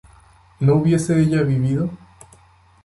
¿no hubiese ella vivido?